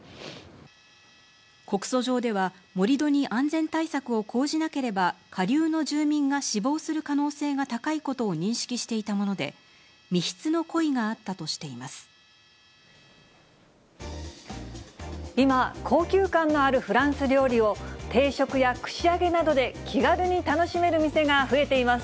告訴状では、盛り土に安全対策を講じなければ、下流の住民が死亡する可能性が高いことを認識していたもので、今、高級感のあるフランス料理を、定食や串揚げなどで気軽に楽しめる店が増えています。